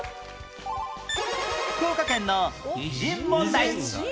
福岡県の偉人問題